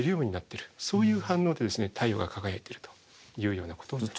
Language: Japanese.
そういう反応で太陽が輝いてるというようなことになります。